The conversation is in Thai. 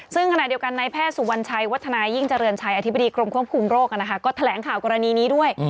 ซึ่งขณะเดียวกันในแพทย์สุวรรณชัยวัฒนายิ่งเจริญชัยอธิบดีกรมควบคุมโรคก็แถลงข่าวกรณีนี้ด้วย